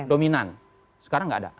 dominan sekarang enggak ada